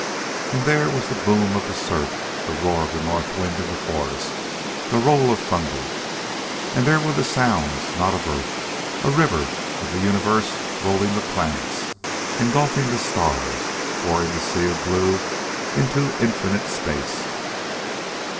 And there were the boom of the surf, the roar of the north wind in the forest, the roll of thunder. And there were the sounds not of earth a river of the universe rolling the planets, engulfing the stars, pouring the sea of blue into infinite space.